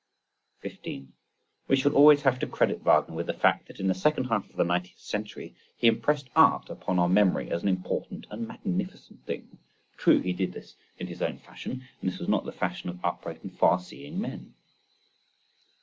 15. We shall always have to credit Wagner with the fact that in the second half of the nineteenth century he impressed art upon our memory as an important and magnificent thing. True, he did this in his own fashion, and this was not the fashion of upright and far seeing men.